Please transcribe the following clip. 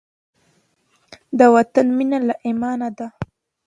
د وطن مینه له ایمانه ده.